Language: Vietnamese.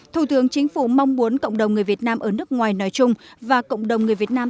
thủ tướng chính phủ mong muốn cộng đồng người việt nam ở nước ngoài nói chung và cộng đồng người việt nam